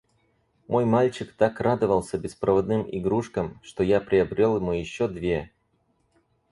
Мой мальчик так радовался беспроводным игрушкам, что я приобрёл ему ещё две.